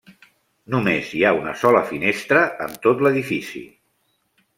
Només hi ha una sola finestra en tot l'edifici.